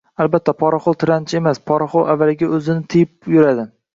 Albatta, poraxo’r tilanchi emas. Poraxo’r avvaliga o’zini tiyib yuradi.